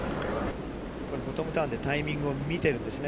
ボトムターンでタイミングを見てるんですね。